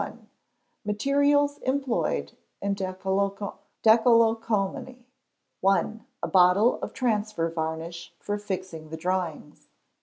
Materials Employed in Decalcomanie. i. A bottle of transfer varnish for fixing the drawings.